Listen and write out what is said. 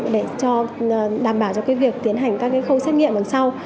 để đảm bảo cho việc tiến hành các khâu xét nghiệm đằng sau